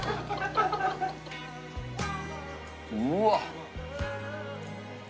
うわっ！